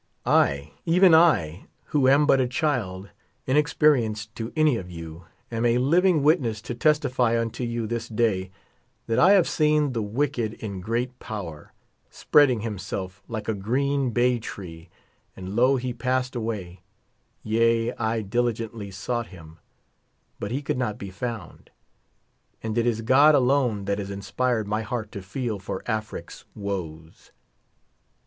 I, even I, who am but a child, inexperienced to any of you, am a living witness to testify unto 3^ou this day, that I have seen the wicked in great power, spreading himself like a green bay tree, and lo, he passed away ; yea, I diligently sought him, but he could not be found ; and it is God alone that has inspired my heart to feel for Afric's woes.